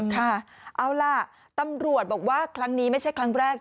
ค่ะเอาล่ะตำรวจบอกว่าครั้งนี้ไม่ใช่ครั้งแรก